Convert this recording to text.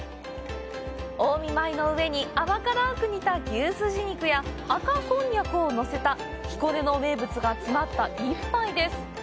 近江米の上に、甘辛く煮た牛すじ肉や赤こんにゃくをのせた彦根の名物が詰まった一杯です。